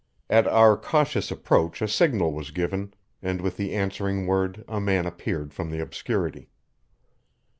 At our cautious approach a signal was given, and with the answering word a man appeared from the obscurity.